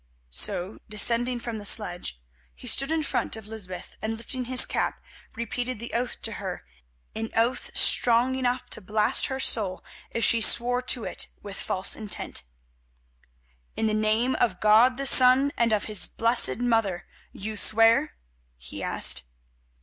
So, descending from the sledge, he stood in front of Lysbeth, and, lifting his cap, repeated the oath to her, an oath strong enough to blast her soul if she swore to it with false intent. "In the name of God the Son and of His Blessed Mother, you swear?" he asked.